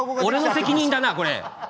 俺の責任だなこれ！